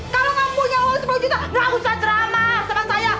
kalau tidak punya uang sepuluh juta tidak usah ceramah sama saya